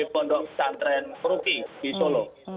pondok santren peruki di solo